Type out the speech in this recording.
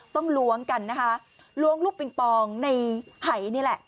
ล้วงกันนะคะล้วงลูกปิงปองในหายนี่แหละ